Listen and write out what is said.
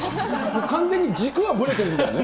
完全に軸がぶれてるんだね。